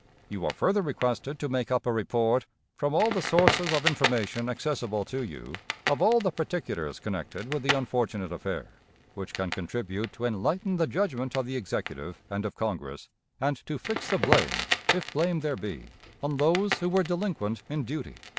You are further requested to make up a report, from all the sources of information accessible to you, of all the particulars connected with the unfortunate affair, which can contribute to enlighten the judgment of the Executive and of Congress, and to fix the blame, if blame there be, on those who were delinquent in duty."